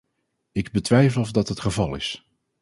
Ik betwijfel of dat het geval is.